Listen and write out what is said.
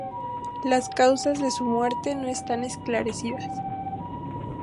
Las causas de su muerte no están esclarecidas.